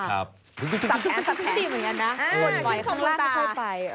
ดีเหมือนกันนะวนไล่ข้างล่าง